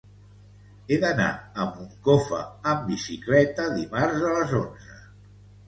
He d'anar a Moncofa amb bicicleta dimarts a les onze.